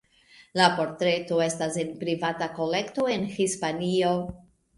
La portreto estas en privata kolekto en Hispanio.